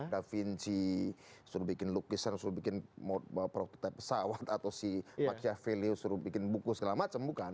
da vinci suruh bikin lukisan suruh bikin prototipe pesawat atau si machiavelli suruh bikin buku segala macam bukan